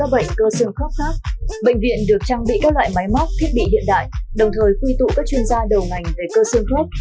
bệnh viện được trang bị các loại máy móc thiết bị hiện đại đồng thời quy tụ các chuyên gia đầu ngành về cơ sương khớp